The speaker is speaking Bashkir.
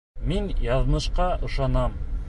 Мин яҙмышҡа ышанам.